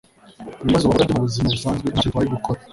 ibibazo bahura na byo mu buzima busanzwe nta cyo bitwaye gukora